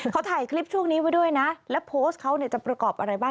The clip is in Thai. เขาถ่ายคลิปช่วงนี้ไว้ด้วยนะแล้วโพสต์เขาเนี่ยจะประกอบอะไรบ้าง